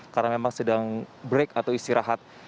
karena memang sedang break atau istirahat